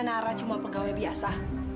nara cuma pegawai biasa